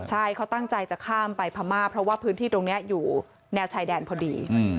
ใช่เขาตั้งใจจะข้ามไปพม่าเพราะว่าพื้นที่ตรงนี้อยู่แนวชายแดนพอดี